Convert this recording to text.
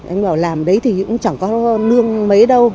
anh bảo làm đấy thì cũng chẳng có nương mấy đâu